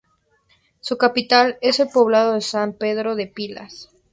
Su capital es el poblado de San Pedro de Pilas.